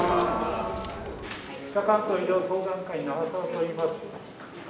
北関東医療相談会長澤といいます。